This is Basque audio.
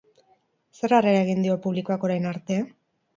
Zer harrera egin dio publikoak orain arte?